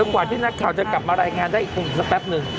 กว่าที่นักข่าวจะกลับมารายงานได้อีกสักแป๊บหนึ่ง